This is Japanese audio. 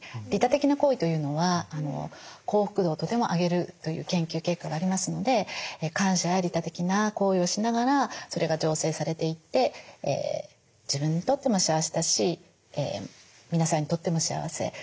利他的な行為というのは幸福度をとても上げるという研究結果がありますので感謝や利他的な行為をしながらそれが醸成されていって自分にとっても幸せだし皆さんにとっても幸せ。